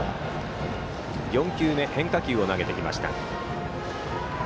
４球目に変化球を投げてきました。